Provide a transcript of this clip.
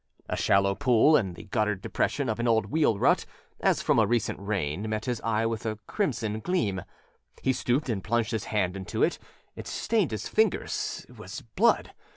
A shallow pool in the guttered depression of an old wheel rut, as from a recent rain, met his eye with a crimson gleam. He stooped and plunged his hand into it. It stained his fingers; it was blood!